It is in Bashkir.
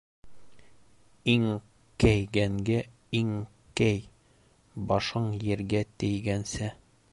Иңкәйгәнгә иңкәй, башың ергә тейгәнсә.